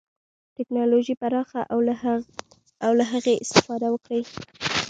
ټکنالوژي پراخه او له هغې استفاده وکړي.